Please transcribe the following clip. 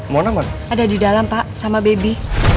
mono ada di dalam pak sama baby